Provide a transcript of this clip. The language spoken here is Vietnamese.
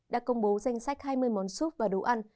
đã công bố danh sách hai mươi món súp và đồ ăn